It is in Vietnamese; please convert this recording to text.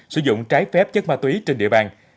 sử dụng trái phép chất ma túy trên địa bàn